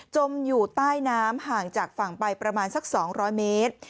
มอยู่ใต้น้ำห่างจากฝั่งไปประมาณสัก๒๐๐เมตร